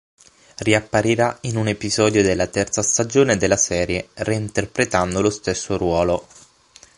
Riapparirà in un episodio della terza stagione della serie, reinterpretando lo stesso ruolo.